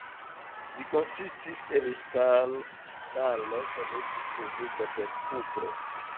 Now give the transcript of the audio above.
Ĝi konsistis el ŝtalo kaj estis kovrita per kupro.